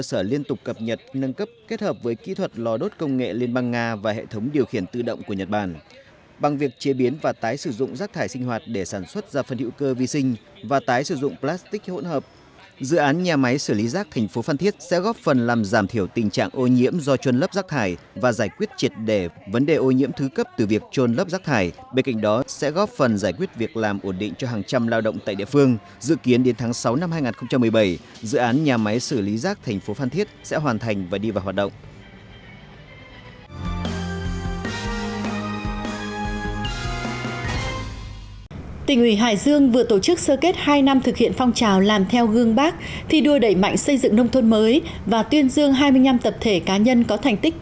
tỉnh uỷ hải dương vừa tổ chức sơ kết hai năm thực hiện phong trào làm theo gương bác thi đua đẩy mạnh xây dựng nông thuần mới và tuyên dương hai mươi năm tập thể cá nhân có thành tích tiêu biểu trong thực hiện phong trào